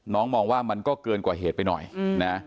น้องมองว่ามันก็เกินกว่าเหตุไปหน่อยนะ